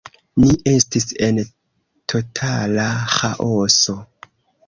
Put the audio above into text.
Ni estis en totala ĥaoso.